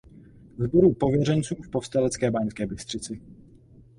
Sboru pověřenců v povstalecké Banské Bystrici.